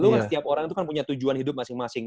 itu kan setiap orang itu kan punya tujuan hidup masing masing